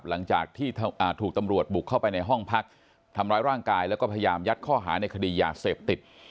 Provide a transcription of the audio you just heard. หลังจากที่ถูกตำรวจบุกเข้าไปในห้องพักทำร้ายร่างกายแล้วก็พยายามยัดข้อหาในคดียาเสพติด